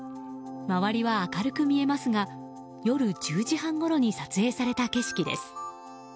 周りは明るく見えますが夜１０時半ごろに撮影された景色です。